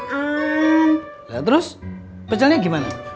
lalu lalu pecelnya gimana